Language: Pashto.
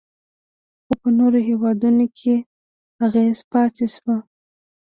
خو په نورو هیوادونو کې یې اغیز پاتې شو